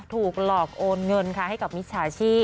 ถูกหลอกโอนเงินค่ะให้กับมิจฉาชีพ